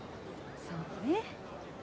そうね。